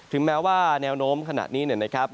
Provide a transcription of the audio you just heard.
ถึงแม้ว่าแนวโน้มขนาดนี้นะครับ